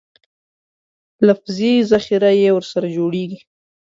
لفظي ذخیره یې ورسره جوړېږي.